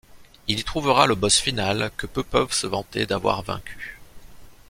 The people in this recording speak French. Il y trouvera le boss final que peu peuvent se vanter d'avoir vaincu.